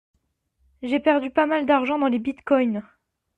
J'ai perdu pas mal d'argent dans les bitcoin.